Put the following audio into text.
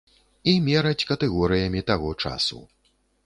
І мераць катэгорыямі таго часу.